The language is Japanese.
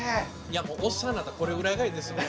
おっさんなったらこれぐらいがええですね。